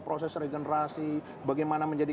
proses regenerasi bagaimana menjadi